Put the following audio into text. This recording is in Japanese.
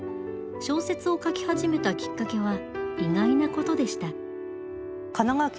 小説を書き始めたきっかけは意外なことでした。